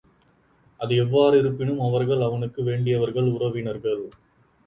அது எவ்வாறிருப்பினும், அவர்கள் அவனுக்கு வேண்டியவர்கள், உறவினர்கள்.